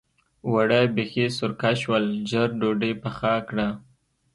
اوړه بېخي سرکه شول؛ ژر ډودۍ پخه کړه.